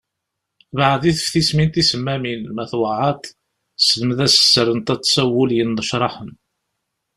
Beɛɛed-it ɣef tismin tisemmamin, ma tweɛɛaḍ, selmed-as sser n taḍsa n wul yennecṛaḥen.